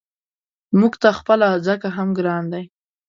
موږ ته خپله ځکه هم ګران دی.